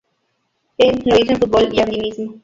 El, lo hizo en futbol y andinismo.